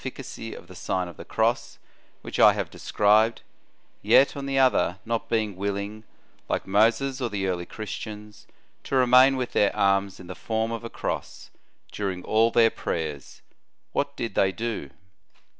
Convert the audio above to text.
117 cacy of the Sign of the Cross, which I have described, yet on the other, not being willing, like Moses or the early Christians, to remain with their arms in the form of a cross during all their prayers, what did they do